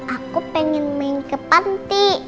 aku pengen main ke panti